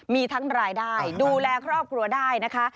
มีทั้งรายได้ดูแลครอบครัวได้นะคะ